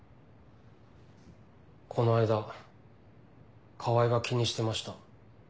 この間川合が気にしてました。